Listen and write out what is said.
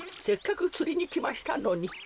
せっかくつりにきましたのに。